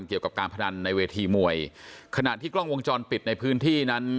เกี่ยวกับการพนันในเวทีมวยขณะที่กล้องวงจรปิดในพื้นที่นั้น